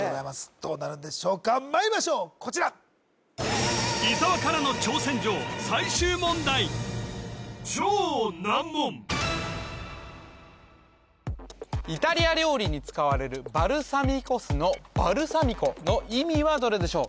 どうなるんでしょうかまいりましょうこちらイタリア料理に使われるバルサミコ酢のバルサミコの意味はどれでしょう